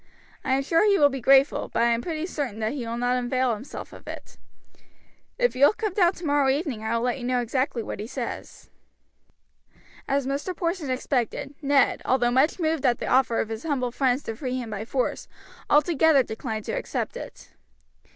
I am sure he will be grateful, but I am pretty certain that he will not avail himself of it. If you will come down tomorrow evening I will let you know exactly what he says." As Mr. Porson expected, Ned, although much moved at the offer of his humble friends to free him by force, altogether declined to accept it.